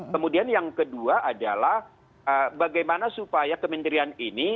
kemudian yang kedua adalah bagaimana supaya kementerian ini